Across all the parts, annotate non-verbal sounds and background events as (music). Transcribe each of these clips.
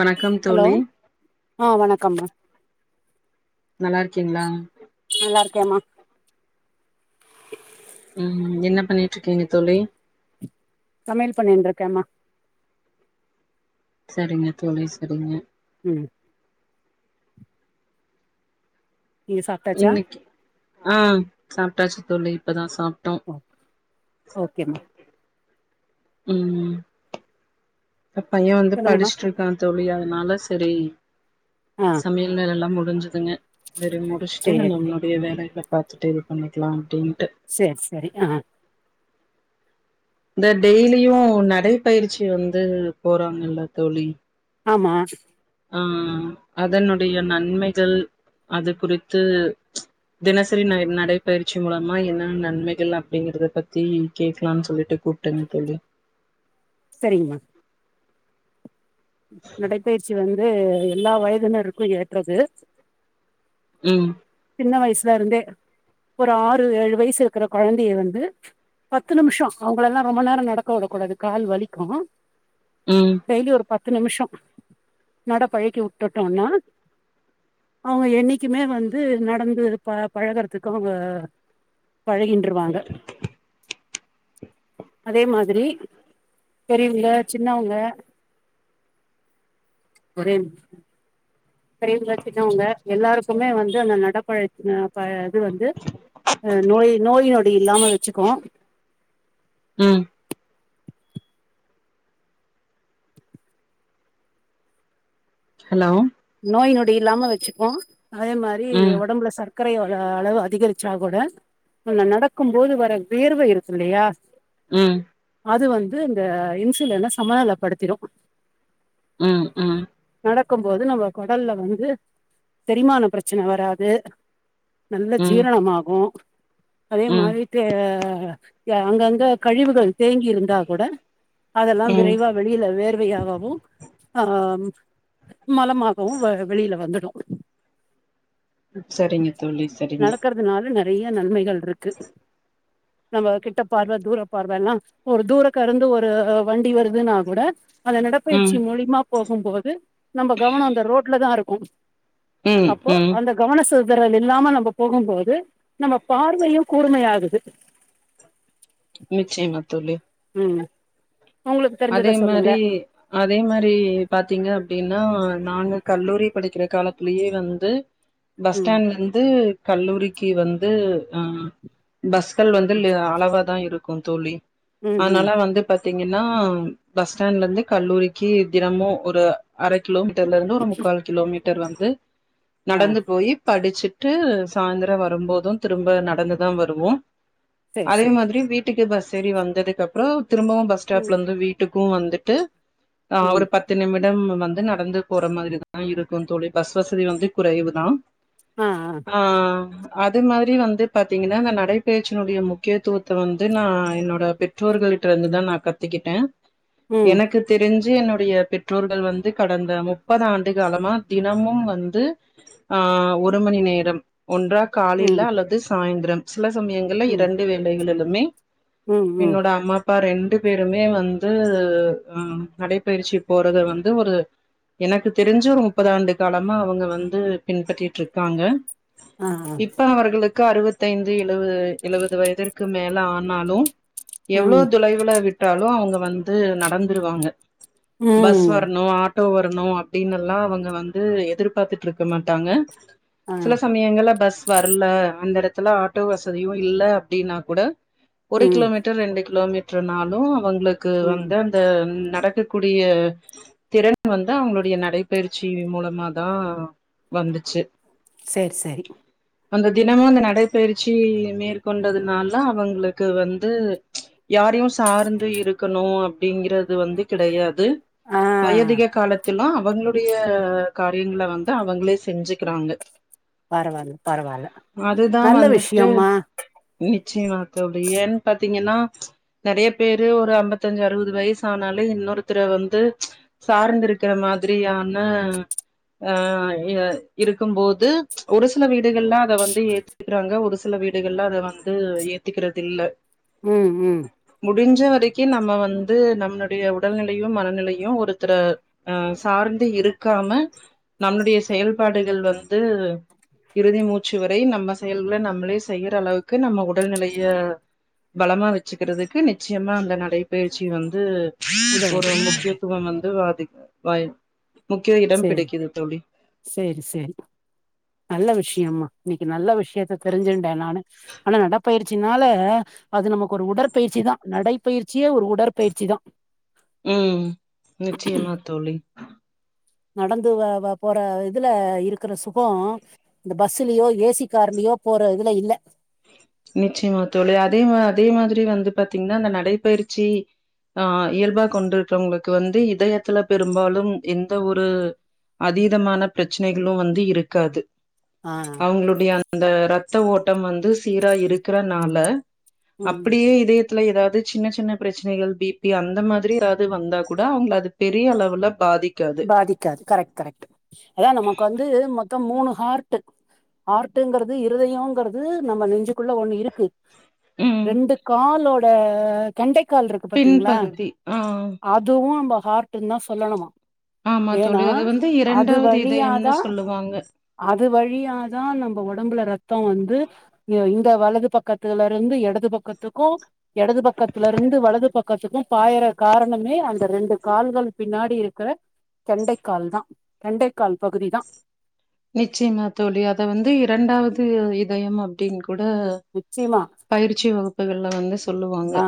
வணக்கம் தோலி ஆஹ் வணக்கம்மா நல்லா இருக்கீங்களா நல்லா இருக்கேமா உம் என்ன பண்ணிட்டு இருக்கீங்க தோழி சமையல் பண்ணின்டு இருக்கேம்மா சரிங்க தோழி சரிங்க உம் நீங்க சாப்ட்டாச்சா இன்னைக்கு ஆஹ் சாப்பிட்டாச்சு தோழி இப்பதான் சா ஓகேமா உம் அ பையன் வந்து சொல்லுங்கம்மா படிச்சிட்டு இருக்கான் தோழி அதனால சரி ஆ சமையல்ல எல்லாம் முடிய புரிஞ்சிதுங்க சரி முடிச்சுட்டு சேரி நம்ளோடைய வேலய பார் பாத்துட்டு இது பண்ணிக்கலாம் அப்டின்னு சேரி சேரி ஆஹ் இந்தா டெய்லியும் நடைப்பயிற்சி வந்து போறாங்கல்ல தோழி ஆமா ஆ அதனுடைய நன்மைகள் அது குறித்து தினசரி ந நடைப்பயிற்சி மூலமா என்ன நன்மைகள் அப்டிங்கறத பத்தி கேக்கலான்னு சொல்லிட்டு கூப்ட்டேங்க தோழி சரிங்கமா நடைப்பயிருச்சி வந்து வந்து எல்லா வயதினருக்கும் ஏற்றது ம் சின்ன வயசுல இருந்தே ஒரு ஆறு ஏழு வயசு இருக்கிற கொழந்தைய வந்து பத்து நிமிஷம் அவங்கள எல்லாம் ரொம்ப நேரம் நடக்க வுடக் கூடாது கால் வலிக்கும் ம் பத்து நிமிஷம் நட பழகி வுட்டுட்டோம்னா அவுங்க என்னைக்குமே வந்து நடந்து ப பழகுறதுக்கும அவங்க பழகின்றுவாங்க அதே மாரி பெரியவங்க சின்னவங்க ஒரே நிமிஷம் பெரியவங்க சின்னவங்க எல்லாருக்குமே வந்து அந்த நடப்பழத்த இது வந்து அ நோய் நோய் நொடி இல்லாம வச்சுக்கும் ம் ஹலோ நோய் நொடி இல்லாம வச்சுக்கும் அதே மாரி ம், ஒடம்புல சத்து சக்கரையோட அளவு அதிகரிச்சா கூட நடக்கும் போது வர வேர்வை இருக்கு இல்லியா ம் அது வந்து இந்த இன்சுலின சமநெலப்படுத்திடும் ம் ம் நடக்கும் போது நம்ம கொடல்ல வந்து செரிமான பிரச்சன வராது நல்ல ம், ஜீரணமாகும் அதே ம், மாறிட்டு தே அங்கங்க கழிவுகள் தேங்கி இருந்தா கூட அதெல்லாம் ம். விரைவா வெளியில வேர்வையாகவும் ஆ மலமா இப்பவும் வெளியில வந்துடும் சரிங்க தோழி சரிங்க நடக்கிறதுனால நெறைய நன்மைகள் இருக்கு நம்ம கிட்ட பார்வ தூர பார்வல்லாம் ஒரு தூரக்கருந்து ஒரு வண்டி வருதுன்னா கூட அந்த ம், நடப்பயிற்சி மூலிமா போகும்போது நம்ம கவனம் தான் இருக்கும் ம், அப்போ ம். அந்த கவன சொ மு இல்லாம நம்ம போகும்போது நம்ம பார்வையும் கூர்மையாகுது நிச்சைமா தொல் உம் அதே மாதிரி அதே மாதிரி பாத்தீங்க அப்படின்னா நாங்க கல்லூரி படிக்கிற காலத்திலயே வந்து பஸ் ம் ஸ்டாண்ட்ல இருந்து கல்லூரிக்கு வந்து அஹ் பஸ்கள் வந்து அளவா தான் இருக்கு க்கும் தோழி ம் ம் அதனால வந்து பாதீ ன்னா பஸ் ஸ்டாண்ட்ல இருந்து கல்லூரிக்கு தினமும் ஒரு அரை கிலோமீ ல இருந்து ஒரு முக்கால் கிலோமீட்ட டர் வந்து ஆ நடந்து போய் படிச்சுட்டு சாய்ந்திரம் வரும்போதும் திரும்ப நடந்துதான் வருவோம் செரி அதே செரி மாதிரி வீட்டுக்கு பஸ் சரி வந்ததுக்கு அப்புறம் திரும்பவும் ம் பஸ்ஸ்டாப்லந்து வீட்டு க்கும் வந்துட்டு ஆஹ் ம் ஒரு பத்து நிமிட இடம் வந்து நடந்து போற மாதிரிதான் இருக்கும் தோழி பஸ் வசதி வந்து குறைவு தான் ஆ ஆ ஆஹ் அது மாதிரி வந்து பாத்தீங்கன்னா இந்த நடைபயிற்சியினுடைய முக்கியத்துவத்தை வந்து நான் என்னோட பெற்றோர்களிட்ட இருந்துதான் நான் கத்துக்கிட்டேன் ம் எனக்கு தெரிஞ்ச என்னுடைய பெற்றோர்கள் வந்து கடந்த முப்பது ஆண்டு காலமா தினமும் வந்து ஆஹ் ஒரு மணி நேரம் ஒன்றா கால யில ம் அல்லது சாயந்தரம் சில சமயங்கள்ல ம் இரண்டு வேலைகளிலுமே ம் ம் என்னோட அம்மா அப்பா ரெண்டு ரண்டு பேருமே வந்து அஹ் நடைப்பயிற்சி போறது வந்து ஒரு எனக்கு தெரிஞ்ச ஒரு முப்பது ஆண்டு காலமா அவங்க வந்து பின்பற்றிட்டு இருக்காங்க ஆ ஆ இப்ப அவர்களுக்கு அறுபத்தைந்து எழுபது வயதிற்கு மேல ஆனாலும் எவ்வளவு ம் தொலைவுல விட்டாலும் அவங்க வந்து நடந்துருவாங்க ம் பஸ்வருனும் ஆட் டோ வரணும் அப்படின்னு எல்லாம் அவங்க வந்து எதிர்பார்த்துட்டு இருக்க மாட்டாங்க ஆ சில சமயங்கள பஸ் வரல அந்த இடத்துல ஆட்டோ வசதியும் இல்லை அப்படின்னா கூட ஒரு ம் கிலோமீட்டர் ரெண்டு கிலோமீட்டர் னாலும் அவங்களுக்கு ம் வந்து அந்த நடக்கக்கூடிய திறன் வந்து அவங்களுடைய நடைபயிற்சி மூலமாதான் வந்துச்சு சரி சரி அந்த தினமும் அந்த நடைப்பயிற்சி மேற்கொண்டதுனால அவங்களுக்கு வந்து யாரையும் சார்ந்து இருக்கு இருக்கணும் அப்படிங்கறது வந்து கிடையாது ஆ வயதிக காலத்திலாம் அவங்களுடைய காரியங்களை வந்து அவங்களே செஞ்சுக்கிறாங்க பரவாயில்ல பரவாயில்ல நல்ல விஷயம்மா ஏன்ன பாத்தீங்கன்னா நிறைய பேரு ஒரு ஐம்பத்த பத்தஞ்சு அறுபது வயசு ஆனாலே இன்னொருத்தரை வந்து சார்ந்த இருக்கிற மாதிரியான அஹ் இருக்கும்போது ஒரு சில வீடுகள்லாம் அத வந்து ஏத்துக்கிறாங்க ஒரு சில வீடுகள்லாம் அத வந்து ஏத்துக்கிறது இல்லை உம் உம் நம்ம வந்து நம்மளுடைய உடல்நிலையும் மனநிலையும் ஒருத்தர அஹ் சார்ந்து இருக்காம நம்மளுடைய செயல்பாடுகள் வந்து இறுதி மூச்சு வரை நம்ம செயல்களை நம்மளே செய்யற அளவுக்கு நம்ம உடல்நிலைய பலமா வச்சுக்கிறதுக்கு நிச்சயமா அந்த நடைப்பயிற்சி வந்து ஒரு உதவுது ம் முக்கியத்துவம் வந்து பாதிக்கும் வாய சரி சரி சரி நல்ல விஷயமா நீ நல்ல விஷயம் கேற்று தெரிஞ்சுண்டேன் நானு ஆனா நடடைப்பயிற்சினால அது நமக்கு ஒரு உடற்பயிற்சி தான் நடைப்பயிற்சியே ஒரு உடற்பயிற்சி தான் உம் நிச்சயமா தோழி நடந்து போற இதுல இருக்கிற சுகம் இந்த பஸ்லயோ ஏசி கார்லயோ போற இதுல இல்ல நிச்சயமா தோழி அதே மாதிரி அதே மாதிரி வந்து பாாரத்தீங்கன்னா அந்த நடைபயிற்சி ஆஹ் இயல்பா கொண்டுருக்கவங்களுக்கு வந்து இதயத்துல பெரும்பாலும் எந்த ஒரு அதீதமான பிரச்சனைகளும் வந்து இருக்காது ஆ அவங்களுடைய அந்த ரத்த ஓட்டம் வந்து சீரா இருக்கறனால ம் அப்படியே இதே ஏதாவது சின்ன சின்ன பிரச்சனைகள் பிபி அந்த மாதிரி ஏதாவது வந்தா கூட அவங்கள அது பெரிய அளவுல பாதிக்காது. பாதிக்காது கரெக்ட் கரெக்ட் அதான் நமக்கு வந்து மொத்தம் மூணு ஹார் ஆர்ட்ங்கிறது இருதயம்ங்கிறது நம்ம நெஞ்சு ள்ள ஒண்ணு இருக்கு ம். ரெண்டு காலோட கண்டெக்ட் கால் இருக்கு பாாரத்தீங்களா பின்பகுதி. ஆ. அதுவும் நம்ப ஹார்ட் தாசொல்லணுமா ஆமா ஏன்னா தோழி. அத வந்து அது இதயம்னு வழியாதான் சொல்லுவாங்க. அது வழியாதான் நம்ம உடம்புல ரத் த்தம் வந்து இந்த வலது பக்கத்துல இருந்து இடது பக்கத்துக்கும் யெடது பக்கத்திலிருந்து வலது பக்க பக்கத்துக்கும் பாயற காரணமே அந்த ரெண்டு கால்கள் பின்னாடி இருக்கிற கெண்டைக்கால் தான் கெண்டைக்கால் பகுதி தான் நிச்சயமா தோழி அத வந்து இரண்டாவது இதயம் அப்படின் கூட நிச்சயமா பயிற்சி வகுப்புகள்ல வந்து சொல்லுவாங்க ஆ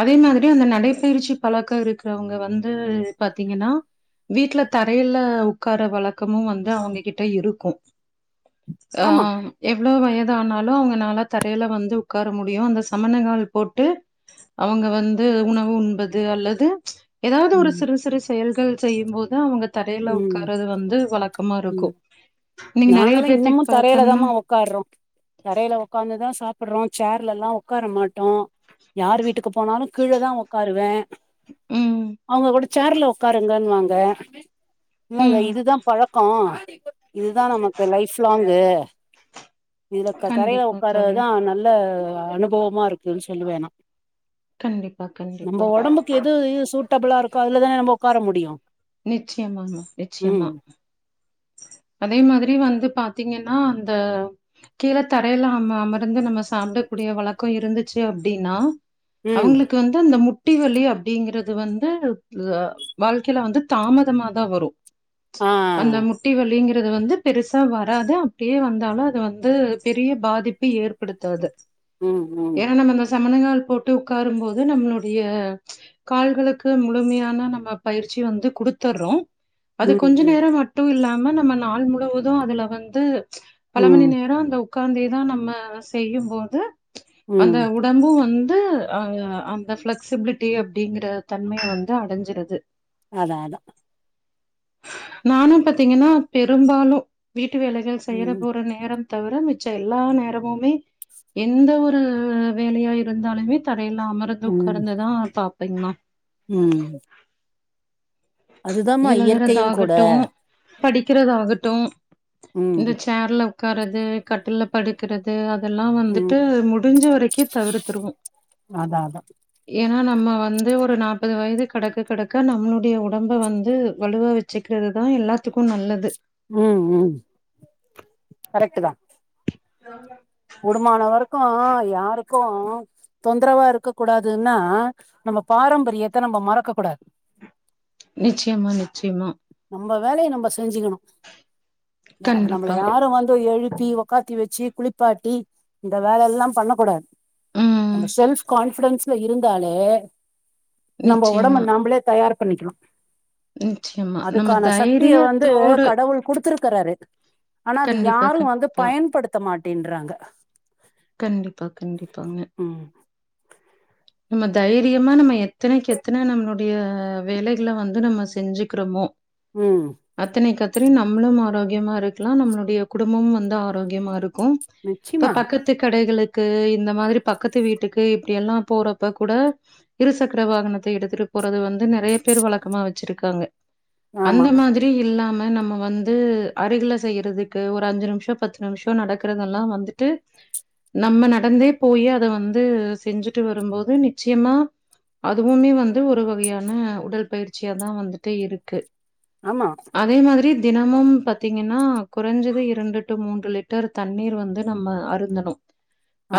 அதே மாதிரி அந்த நடைப்பயிற்சி பழக்கம் இருக்கிறவங்க வந்து பாத்தீங்கன்னா வீட்டுல தரையில உட்கார வழக்கமும் வந்து அவங்க கிட்ட இருக்கும் ஆமா ஆஹ் எவ்வளவு வய ஆனாலும் அவங்கனால தரையில வந்து உட்கார முடியும் அந்த சமனங் கால் போட்டு அவங்க வந்து உணவு உண்பது அது அல்லது ஏதாவது ஒரு ம் சிறு சிறு செயல் செய்யும் போது அவுங்க தரையில ம் உட்காரது வந்து வழக்க பக்கமா இருக்கும் நாங்களாம் பேத்துக்கு இன்னமும் தரையில பாத்தோம்னா தாம உக்காறோம் தரையில உக்கார்ந்துதான் சாப்ப சாப்படுறோம் சேர்ல எல்லாம் உட்கார மாட்டோம் யார் வீட்டுக்கு போனாலும் கீழே தான் உட்காருவேன் ம், அவங்க கூட சேர்ல உட்காருங்கன்னுவாங்க இல்லங்க ம். இதுதான் பழக்கம் (inaudible) (unintelligible) இதுல தரையில கண்டிப்பா தோழி. உட்காரதான் நல்ல அனுபவமா இருக்குன்னு சொல்லு வேணாம் கண்டிப்பா, கண்டிப்பா. நம்ம உடம்புக்கு எது சூட்டபிளா இருக்கும் அதுலதான நம உட்கார முடியும் நிச்சயமா ங்க நிச்சயமா அதே மாதிரி வந்து பாாரத்தீங்கன்னா அந்த கீழே தரையில அம அமர்ந்து நம்ம சாப்பிடக்கூடிய வழக்கம் இருந்துச்சு அப்படின்னா ம் அவங்களுக்கு வந்து அந்த மு குட்டி வலி அப்படிங்கறிறது வந்து வாழ்க்கையில வந்து தாமதமாதான் வரும் ஆ அந்த முட்டி வல்ல அப்படிங்கறிறது வந்து பெருசா வராது அப்படியே வந்தாலும் அது வந்து பெரிய பாதிப்பை ஏற்படுத்தாது உஹம் உம் ஏன்னா நம்ம அந்த சமணங்கால் போட்டு உட்காரும்போது நம்மளுடைய கால்களுக்கு முழுமையான நம்ம பயிற்சி வந்து கொடுத்துடுறோம் அது ம் கொஞ்ச ம் நேரம் மட்டும் இல்லாம ஆ நம்ம நாள் முழுவதும் அதுல வந்து பல மணி ம் நேரம் அந்த உட்காந்தி தான் நம்ம செய்யும்போது ம் அந்த உடம்பு வந்து வந்து அஹ அந்த பிளெக்சிபிலிட்டி அப்படிங்கற தன்மையை வந்து அடைஞ்சிருது அதான் அதான் நானும் பாத்தீங்கன்னா பெரும்பாலும் வீட வீட்டு வேலைகள் செய்யிற ம் போற நேரம் தவிர மிச்சம் எல்லா நேரமுமே எந்த ஒரு வேலையா இருந்தாலுமே த ல்லாம் அமர்ந்து உட்கார்ந்து தான் பா ப்பமா உம் அதுதமா இயற்கையும் கூட படிக்கிறத ஆாகட்டும் ம் இந்த சேர்ல க்கறது கட்டில் படுக்கறிறது இதெல்லாம் ம் வந்துட்டு முடிஞ்ச வரை க்கே தவிர்த்தருவோம் அதான் அதான் நம்ம வந்து ஒரு நாற்பது வயது கிடக்கு கிடக்க நம்மளுடைய உட உடம்ப வந்து வலுவா வச்சுக்கிறது தான் எல்லாத்துக்கும் நல்லது உம் உம் கரட்டு தான் ஆஹ இப்ப தொந்தரவா இருக்க கூடாதுன்னா நம்ம பாரம்பரியத்தை நம்ம மறக்க கூடாது. நிச்சயமா நிச்சயமா நம்ம வேலையை நம்ப செ செஞ்சுிக்கணும் நம்மள கண்டிப்பா. யாரும் வந்து எழு தி உக்காத்தி வச்சு குளி ப்பாட்டி இந்த வேல எல்லாம் பண்ணக்க கூடாது ம். நம்ம செல்ப் கான்பிடன்ஸ்ல இருந்தாலே நம்ம உடம்பு நிச்சயமா, நம்பமளே தயார் பண்ணிக்கலாம் நிச்சயமா. நம்ம அதுக்கான சக்திய வந்து தைரியத்தோடு கடவுள் குடுத்துருக்கு க்கரார ஆனா அது கண்டிப்பா, யாரும் வந்து கண்டிப்பா. பயன்படுத்த மாட் டின்றாங்க கண்டிப்பா கண்டிப்பாங்க ம் நம்ம தைரியமா நம்ம எத்தனைக்கு எத்தன நம்மளுடைய வேலைகளை வந்து நம்ம செஞ்சுிக்கிறோமோ உம் தெ நம்மளும் ஆரோக்கியமா இருக்கலாம் நம்மளுடைய குடும்பமம் வந்து ஆரோக்கியமா இருக்க க்கும் இப்ப நிச்சயமா பக்கத்து கடைக தூ இந்த மாரி பக்கத்து வீட்டுக்கு இப்படியல்லாம் போற அப்ப கூட இருசக்கர வாகனத்தை எடுத்துட்டு போறது வந்து நிறைய பேர் வழக்கமா வச்சிருக்காங்க ஆமா அந்த மாதிரி இல்லாம நம்ம வந்து அருகில செய்யறதுக்கு ஒரு அஞ்சு நிமிஷம் பத்து நிமிஷம் நடக்கறதெ எல்லாம் வந்துட்டு நம்ம நடந்தே போய் அதை வந்து செஞ்சுட்டு வரும்போது நிச்சயமா அதுவுமே வந்து ஒரு வகையான உடல் பயிற்சியாதான் வந்துட்டு இருக்கு ஆமா அதே மாதிரி தினமும் பார்த்திங்கன்னா குறைஞ்சது இரண்டு டு மூன்று லிட்டர் தண்ணீர் வந்து நம்ம அருந்தணும்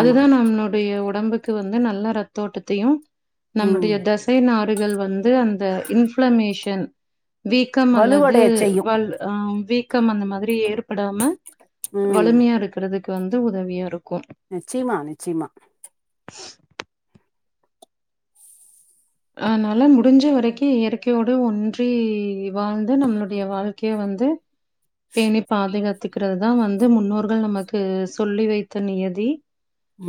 ஆமா நம்மனுடைய உ டம்புக்கு வந்து நல்ல ரத் தோட்டத்தையும் நம்மளுடைய ம் தசை நார் கள் வந்து அந்த இன்ஃப்ளமேஷன் வீக்கம் அல்லது வலுவடைய செய்யு வால் அஹ க்கம் அந்த மாதிரி ஏற்படாம ம் வலிமையா இருக்கிறது வந்து உதவியா இருக்கும் நிச்சயமா நிச்சயமா (inaudible) அதனால முடிஞ்ச வரைக்கும் இயற்கையோடு ஒன்றி வாழ்ந்து நம்மளுடைய வாழ்க்கைய வந்து பேணி பாதுகாத் கத்துக்கிறது தான் வந்து முன்னோர்கள் நமக்கு சொல்லி வைத்த நியதி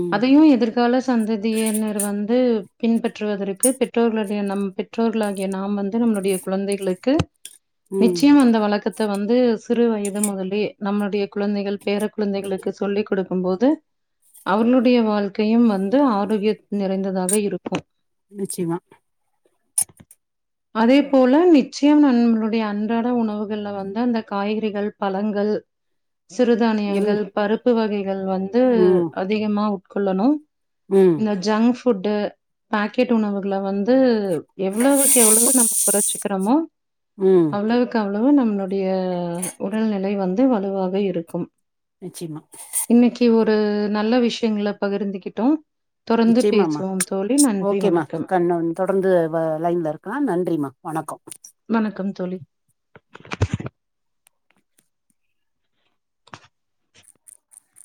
ம் அதையும் எதிர்கால சந்ததியினர் வந்து பின்பற்றுவதற்கு பெ ட்டோகலுடைய நம் பெற்றோர்களாகிய நாம் வந்து நம்மளுடைய குழந்தைகளுக்கு ம் நிச்சய அந்த வழக்க வந்து சிறு வயது மகலே நம்மளுடைய குழந்தைகள் பேர குழந்தைகளுக்கு சொல்லிக் கொடுக்கும் போது அவுங்ளுடைய வாழ்க்கையு வந்து ஆரோக்கிய நிறைந்ததாக இருக்கு நிச்சமா அதே போல நிச்சயம் ந நுடைய அன்றாட உணவுகள்ல வந்து அந்த காய்கறிகள் பழங்கள் எல் சிறுதானியங்கள் பருப்பு வகைகள் வந்து ம் அதிகமா கொள்ளணு ம் இந்த ஜங்க் ஃபுட்டு பக்கெட் உணவு ல வந்து எவ்வளவுக்கெவ்ளவு நம்ப குறச் க்கரமோ ம் அவ்வளவுகவ் நம்ப டைய உடல்நிலை வந் து வலுவவே இருக்கும் நிச்சமா து நல்ல விஷயங்கள பகிர்ந்துகிட்டோம் தொடர்ந்து நிச்சயமாம்மா பேசுவோம் தோழி நன்றி ஓகேம்மா வணக்கம் கண் தொடர்ந்து வ லைன்ல இருக்கலா நன்றிம்மா வணக்கம் வணக்கம் தோழி